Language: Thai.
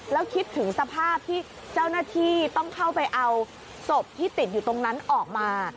แล้วคิดถึงสภาพที่เจ้าหน้าที่ต้องเข้าไปเอาศพที่ติดอยู่ตรงนั้นออกมา